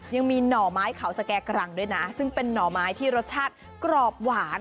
หน่อไม้เขาสแก่กรังด้วยนะซึ่งเป็นหน่อไม้ที่รสชาติกรอบหวาน